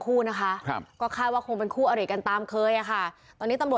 มีภาพยาวแล้วก็มีดาบ